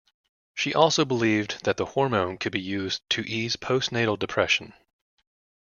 She also believed that the hormone could be used to ease postnatal depression.